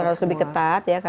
harus lebih ketat ya